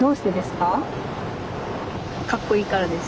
かっこいいからです！